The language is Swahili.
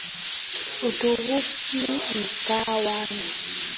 Uturuki ikawa nguvu kubwa zaidi ya kijeshi wakati